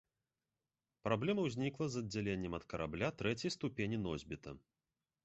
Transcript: Праблема ўзнікла з аддзяленнем ад карабля трэцяй ступені носьбіта.